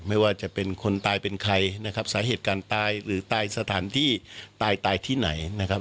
ไม่ว่าจะเป็นคนตายเป็นใครนะครับสาเหตุการณ์ตายหรือตายสถานที่ตายตายที่ไหนนะครับ